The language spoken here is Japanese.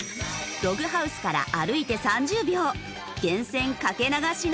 ログハウスから歩いて３０秒せーの。